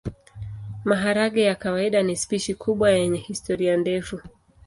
Maharagwe ya kawaida ni spishi kubwa yenye historia ndefu.